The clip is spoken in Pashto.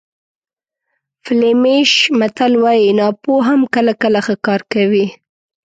فلیمیش متل وایي ناپوه هم کله کله ښه کار کوي.